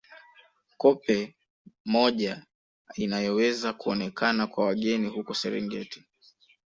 Koppe moja inayoweza kuonekana kwa wageni huko Serengeti